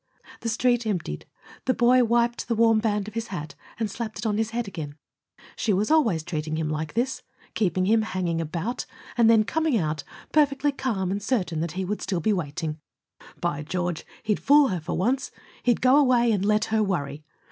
The Street emptied. The boy wiped the warm band of his hat and slapped it on his head again. She was always treating him like this keeping him hanging about, and then coming out, perfectly calm and certain that he would still be waiting. By George, he'd fool her, for once: he'd go away, and let her worry.